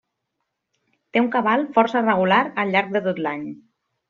Té un cabal força regular al llarg de tot l'any.